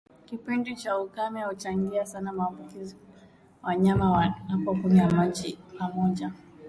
Kipindi cha ukame huchangia sana maambukizi wanayama wanapo kunywa maji pamoja